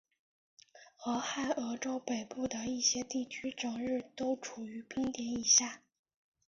俄亥俄州北部的一些地区整个月都处于冰点以下。